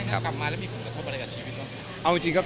ตอนรอบได้มีคนกบชีวิตไหมครับ